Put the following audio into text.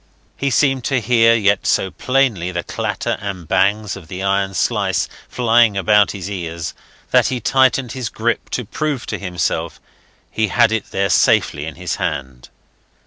He seemed to hear yet so plainly the clatter and bangs of the iron slice flying about his ears that he tightened his grip to prove to himself he had it there safely in his hand.